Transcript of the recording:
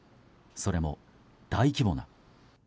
それも、大規模な。